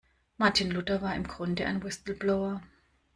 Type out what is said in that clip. Martin Luther war im Grunde ein Whistleblower.